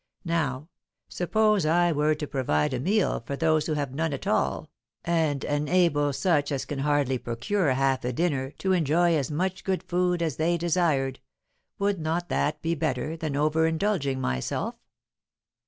Now, suppose I were to provide a meal for those who have none at all, and enable such as can hardly procure half a dinner to enjoy as much good food as they desired, would not that be better than over indulging myself?